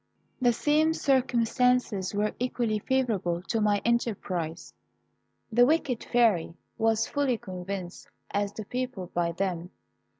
"The same circumstances were equally favourable to my enterprise. The wicked Fairy was as fully convinced as the people by them.